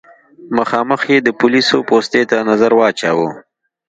مخامخ يې د پوليسو پوستې ته نظر واچوه.